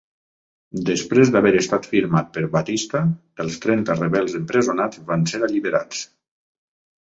Després d'haver estat firmat per Batista, els trenta rebels empresonats van ser alliberats.